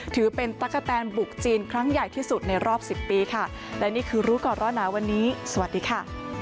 ถือเป็นตั๊กกะแตนบุกจีนครั้งใหญ่ที่สุดในรอบสิบปีค่ะและนี่คือรู้ก่อนร้อนหนาวันนี้สวัสดีค่ะ